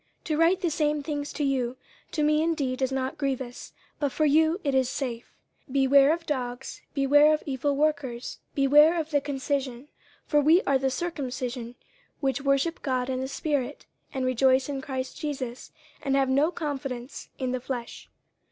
To write the same things to you, to me indeed is not grievous, but for you it is safe. 50:003:002 Beware of dogs, beware of evil workers, beware of the concision. 50:003:003 For we are the circumcision, which worship God in the spirit, and rejoice in Christ Jesus, and have no confidence in the flesh.